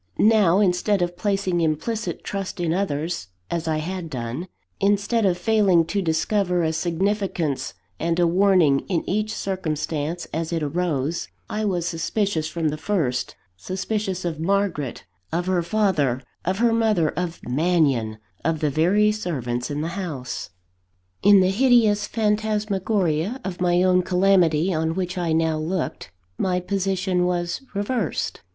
Now, instead of placing implicit trust in others, as I had done; instead of failing to discover a significance and a warning in each circumstance as it arose, I was suspicious from the first suspicious of Margaret, of her father, of her mother, of Mannion, of the very servants in the house. In the hideous phantasmagoria of my own calamity on which I now looked, my position was reversed.